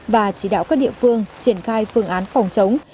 và chỉ đạo các địa phương triển khai phương án phòng chống